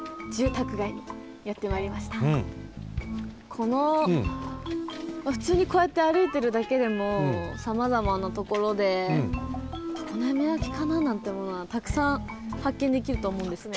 このふつうにこうやってあるいてるだけでもさまざまなところで常滑焼かな？なんてものはたくさんはっけんできるとおもうんですね。